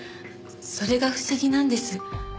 それが不思議なんです。